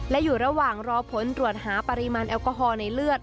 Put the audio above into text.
และอยู่ระหว่างรอผลตรวจหาปริมาณแอลกอฮอล์ในเลือด